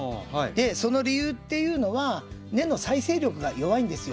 その理由っていうのは根の再生力が弱いんですよ。